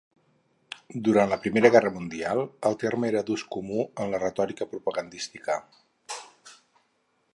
Durant la Primera Guerra Mundial, el terme era d'ús comú en la retòrica propagandística.